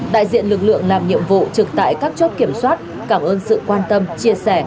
đại diện lực lượng làm nhiệm vụ trực tại các chốt kiểm soát cảm ơn sự quan tâm chia sẻ